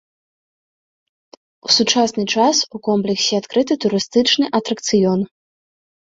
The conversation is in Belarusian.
У сучасны час у комплексе адкрыты турыстычны атракцыён.